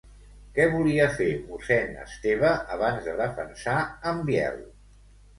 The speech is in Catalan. Què volia fer mossèn Esteve abans de defensar en Biel?